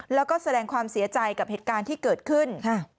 แล้วก็แสดงความเสียใจกับเหตุการณ์ที่เกิดขึ้น